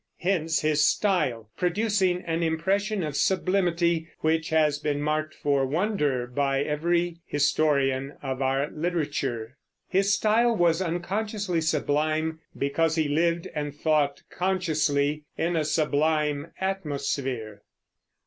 Hence his style, producing an impression of sublimity, which has been marked for wonder by every historian of our literature. His style was unconsciously sublime because he lived and thought consciously in a sublime atmosphere.